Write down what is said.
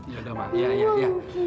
yaudah nggak apa apa